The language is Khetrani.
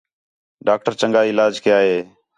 ڈاکٹر چَنڳا علاج کَیا ہے